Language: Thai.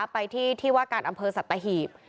ไปที่ที่วาดกาลอำเภอสัตว์ตะหีบ